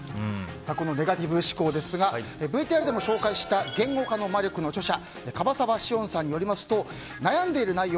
ネガティブ思考ですがＶＴＲでも紹介した「言語化の魔力」の著者樺沢紫苑さんによりますと悩んでいる内容